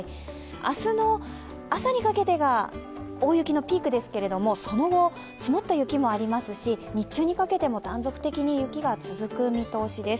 明日の朝にかけては大雪のピークですけれども、その後、積もった雪もありますし、日中にかけても断続的に雪が続く見通しです。